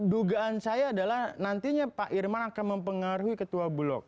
dugaan saya adalah nantinya pak irman akan mempengaruhi ketua bulog